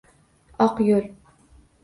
Oq yoʼl…